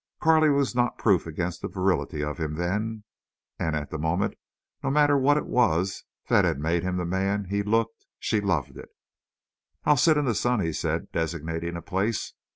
Carley was not proof against the virility of him then, and at the moment, no matter what it was that had made him the man he looked, she loved it. "I'll sit in the sun," he said, designating a place.